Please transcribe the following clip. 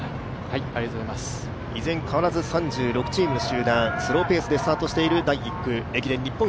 依然変わらず３６チーム集団、スローペースでスタートしている第１区。